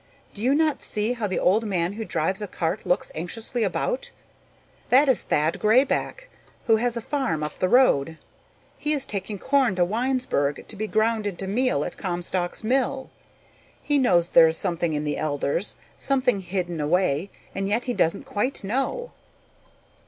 Do you not see how the old man who drives a cart looks anxiously about? That is Thad Grayback who has a farm up the road. He is taking corn to Winesburg to be ground into meal at Comstock's mill. He knows there is something in the elders, something hidden away, and yet he doesn't quite know.